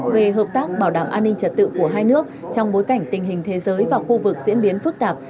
về hợp tác bảo đảm an ninh trật tự của hai nước trong bối cảnh tình hình thế giới và khu vực diễn biến phức tạp